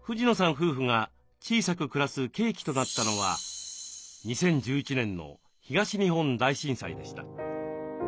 夫婦が小さく暮らす契機となったのは２０１１年の東日本大震災でした。